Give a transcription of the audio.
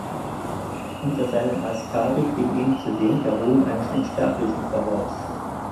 Unter seinen Askari ging ihm zudem der Ruhm eines Unsterblichen voraus.